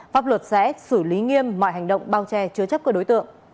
pháp luật sẽ xử lý nghiêm mọi hành động bao che chứa chấp của đối tượng